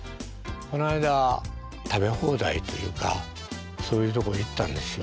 この間食べ放題というかそういうとこへ行ったんですよ